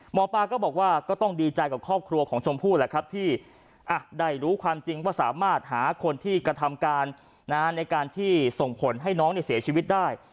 หมอปลาก็บอกว่าก็ต้องดีใจกับครอบครัวของชมพู่แหละครับที่ได้รู้ความจริงว่าสามารถหาคนที่กระทำการในการที่ส่งผลให้น้องเสียชีวิตได้